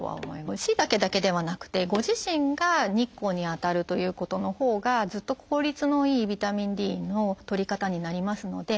しいたけだけではなくてご自身が日光に当たるということのほうがずっと効率のいいビタミンＤのとり方になりますので。